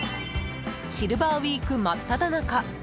シルバーウィークまっただ中。